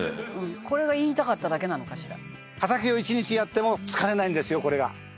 これが言いたかっただけなのかしら？